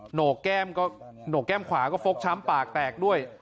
โหนกแก้มก็โหนกแก้มขวาก็ฟกช้ำปากแตกด้วย